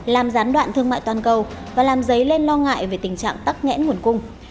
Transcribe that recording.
làm gián đoạn thương mại toàn cầu và làm dấy lên lo ngại về tình trạng tắc nghẽn nguồn cung